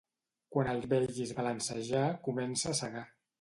Quan el vegis balancejar, comença a segar.